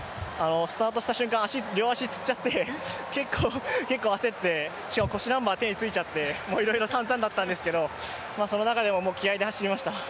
スタートした瞬間、両足、つっちゃって、結構焦っちゃってしかも腰ナンバー手についちゃって、いろいろさんざんだったんですけどその中でも気合いで走りました。